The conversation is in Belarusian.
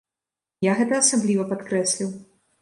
Я гэта асабліва падкрэсліў.